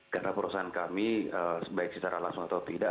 karena perusahaan kami baik secara langsung atau tidak